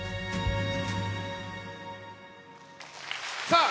さあ